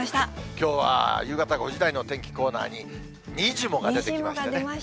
きょうは夕方５時台のお天気コーナーにニジモが出ましたね。